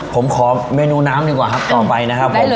ผมขอเมนูน้ำดีกว่าครับต่อไปนะครับผม